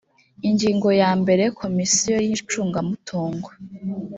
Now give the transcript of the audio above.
ingingo ya mbere komisiyo y icungamutungo